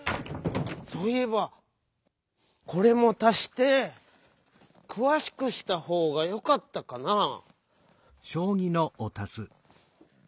そういえばこれも足してくわしくしたほうがよかったかなぁ。